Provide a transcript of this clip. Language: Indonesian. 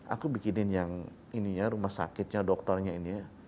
aku bikinin yang ini ya rumah sakitnya dokternya ini ya